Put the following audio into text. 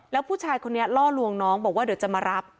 แล้วผู้ชายคนนี้ล่อลวงน้องบอกว่าเดี๋ยวจะมารับ